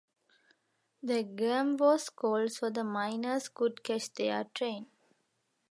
The game was called so the Miners could catch their train.